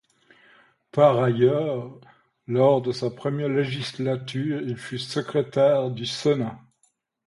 Par ailleurs lors de sa première législature il fut secrétaire du Sénat.